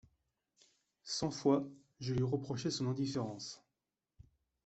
Cent fois, je lui reprochai son indifférence.